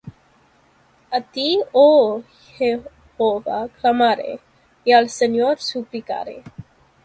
A ti, oh Jehová, clamaré; Y al Señor suplicaré.